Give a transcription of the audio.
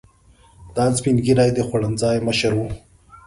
دا سپین ږیری د خوړنځای مشر و.